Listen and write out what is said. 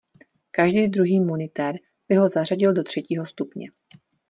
Každý druhý monitér by ho zařadil do třetího stupně.